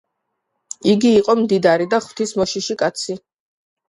იგი იყო მდიდარი და ღვთის მოშიში კაცი